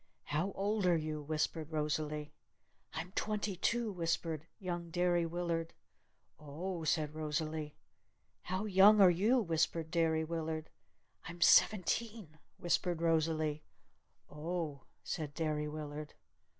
"How old are you?" whispered Rosalee. "I'm twenty two," whispered young Derry Willard. "O h," said Rosalee. "How young are you?" whispered Derry Willard. "I'm seventeen," whispered Rosalee. "O h," said Derry Willard.